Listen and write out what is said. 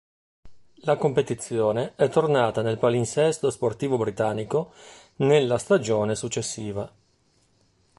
La competizione è tornata nel palinsesto sportivo britannico nella stagione successiva.